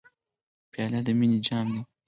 پیاله د مینې جام ده.